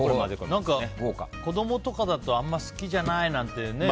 子供とかだとあんまり好きじゃないとかね